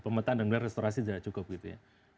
pemetaan dan restorasi tidak cukup gitu ya